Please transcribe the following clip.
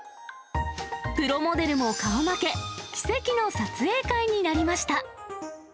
プロモデルも顔負け、奇跡の撮影会になりました。